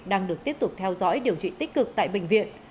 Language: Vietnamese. đang được tiếp tục theo dõi điều trị tích cực tại bệnh viện